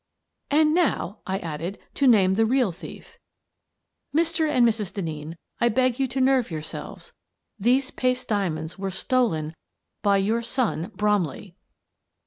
" And now," I added, " to name the real thief. Mr. and Mrs. Denneen, I beg you to nerve your selves. These paste diamonds were stolen by your son Bromley."